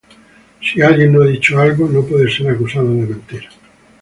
Si alguien no ha dicho algo, no puede ser acusado de mentir.